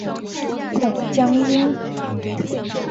江孔殷。